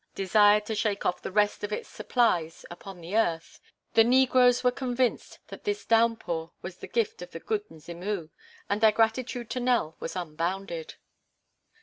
] desired to shake off the rest of its supplies upon the earth, the negroes were convinced that this downpour was the gift of the "Good Mzimu" and their gratitude to Nell was unbounded.